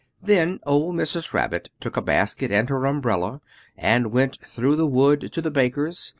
Then old Mrs. Rabbit took a basket and her umbrella, and went through the wood to the baker's.